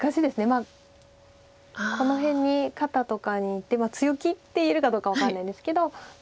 まあこの辺に肩とかに。強気って言えるかどうか分かんないんですけど。